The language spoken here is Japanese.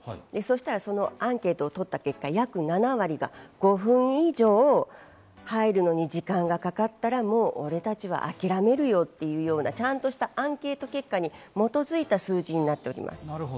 そのアンケートをとった結果、約７割が５分以上、入るのに時間がかかったら、もう俺たちは諦めるよっていうようなちゃんとしたアンケート結果に基づいた数字になっています。